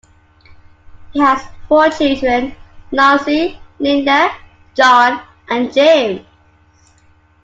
He has four children; Nancy, Linda, John, and James.